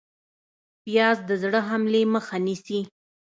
پیاز د زړه حملې مخه نیسي